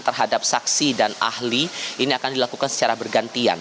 terhadap saksi dan ahli ini akan dilakukan secara bergantian